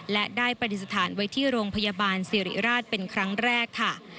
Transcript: และได้ปฏิสถานไว้ที่โรงพยาบาลสิริราชเป็นครั้งแรกค่ะ